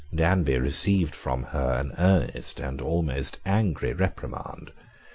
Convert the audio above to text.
Danby received from her an earnest, and almost angry, reprimand.